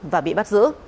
và bị bắt giữ